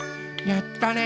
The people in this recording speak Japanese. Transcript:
やったね。